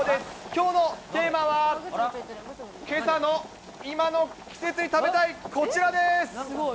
きょうのテーマは、けさの、今の季節に食べたいこちらです。